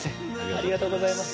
ありがとうございます。